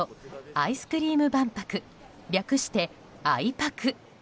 アイスクリーム万博略して、あいぱく。